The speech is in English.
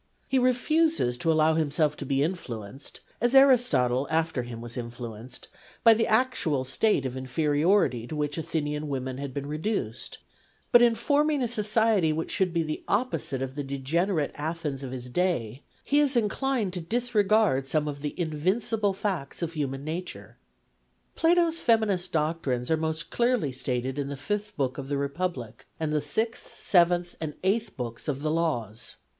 He refuses to allow himself to be influenced, as Aristotle after him was influenced, by the actual state of inferiority to which Athenian women had been reduced ; but in forming a society which should be the opposite of the degenerate Athens of his day, he is inclined 168 PLATO 169 to disregard some of the invincible facts of human nature. Plato's feminist doctrines are most clearly stated in the fifth book of the Republic and the sixth, seventh, and eighth books of the Laws.